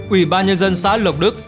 ủy ban nhân dân xã lộc đức